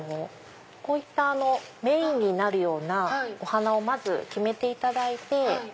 こういったメインになるようなお花をまず決めていただいて。